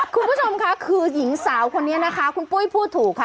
คุณผู้ชมค่ะคือหญิงสาวคนนี้นะคะคุณปุ้ยพูดถูกค่ะ